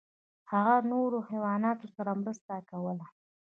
هغه د نورو حیواناتو سره مرسته کوله.